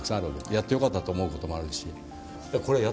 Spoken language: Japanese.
やってよかったと思う事もあるし。